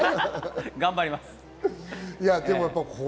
頑張ります。